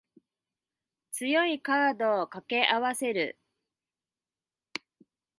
強いカードを掛け合わせる